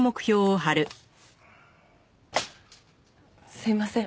すいません。